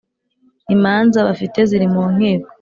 Imanza bafite ziri mu nkiko